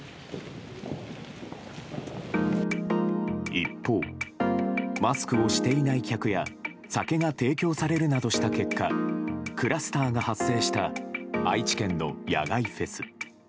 一方、マスクをしていない客や酒が提供されるなどした結果クラスターが発生した愛知県の野外フェス。